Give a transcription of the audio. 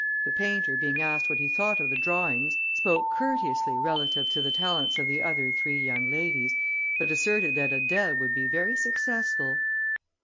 The painter being asked what he thought of the drawings, spoke courteously relative to the talents of the other three young ladies, but asserted that Adèle would be very successful.